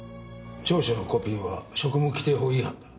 調書のコピーは職務規定法違反だ。